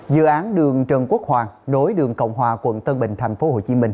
dự án đường trần quốc hoàng nối đường cộng hòa quận tân bình tp hcm